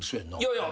いや。